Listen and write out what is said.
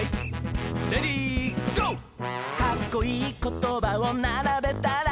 「かっこいいことばをならべたら」